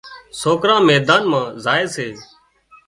سوڪران ميدان مان زائي سي